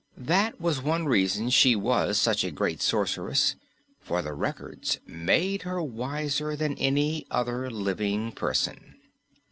That was one reason she was such a great Sorceress, for the records made her wiser than any other living person.